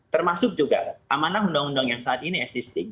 termasuk juga amanah undang undang yang saat ini existing